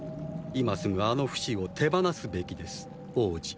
今すぐあのフシを手放すべきです王子。